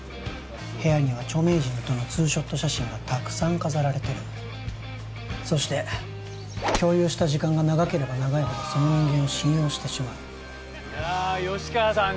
部屋には著名人とのツーショット写真がたくさん飾られてるそして共有した時間が長ければ長いほどその人間を信用してしまういやあ吉川さん